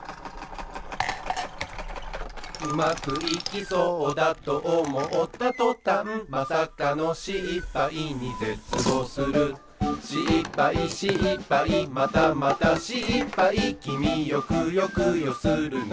「うまくいきそうだとおもったとたん」「まさかのしっぱいにぜつぼうする」「しっぱいしっぱいまたまたしっぱい」「きみよくよくよするな」